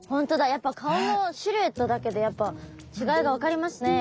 やっぱ顔のシルエットだけでやっぱ違いが分かりますね。